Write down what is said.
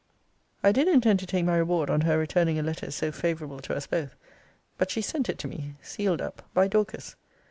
I did intend to take my reward on her returning a letter so favourable to us both. But she sent it to me, sealed up, by Dorcas.